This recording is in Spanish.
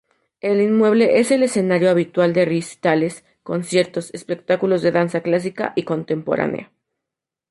El inmueble es escenario habitual de recitales, conciertos, espectáculos de danza clásica y contemporánea.